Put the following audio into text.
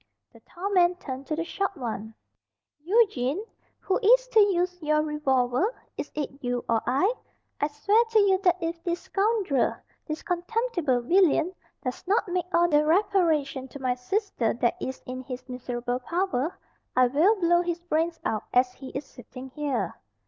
The tall man turned to the short one. "Eugene, who is to use your revolver? Is it you or I? I swear to you that if this scoundrel, this contemptible villain, does not make all the reparation to my sister that is in his miserable power, I will blow his brains out as he is sitting here."